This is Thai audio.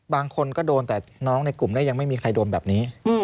บางคนก็โดนแต่น้องในกลุ่มนั้นยังไม่มีใครโดนแบบนี้